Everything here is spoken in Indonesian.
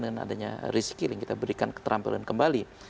dan adanya reskilling kita berikan keterampilan kembali